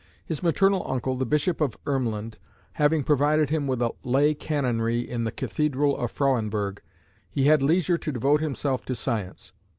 His maternal uncle, the Bishop of Ermland, having provided him with a lay canonry in the Cathedral of Frauenburg, he had leisure to devote himself to Science.